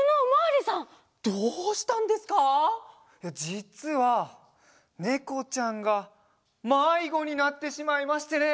じつはねこちゃんがまいごになってしまいましてね。